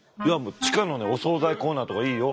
地下のお惣菜コーナーとかいいよ。